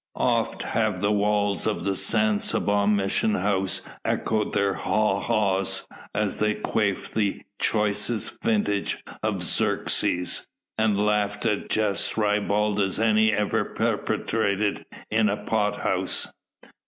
Oft have the walls of the San Saba mission house echoed their "ha, ha!" as they quaffed the choicest vintage of Xeres, and laughed at jests ribald as any ever perpetrated in a pot house.